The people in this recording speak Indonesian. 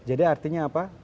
jadi artinya apa